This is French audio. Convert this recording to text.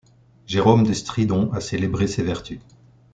Jérôme de Stridon a célébré ses vertus.